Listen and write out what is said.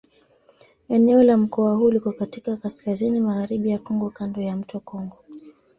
Eneo la mkoa huu liko katika kaskazini-magharibi ya Kongo kando ya mto Kongo.